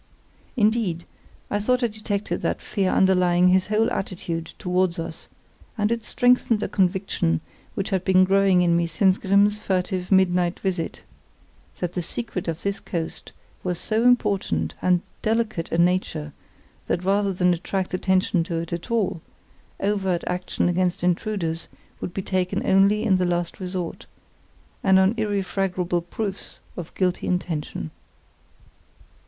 Indeed, I thought I detected that fear underlying his whole attitude towards us, and it strengthened a conviction which had been growing in me since Grimm's furtive midnight visit, that the secret of this coast was of so important and delicate a nature that rather than attract attention to it at all, overt action against intruders would be taken only in the last resort, and on irrefragable proofs of guilty intention.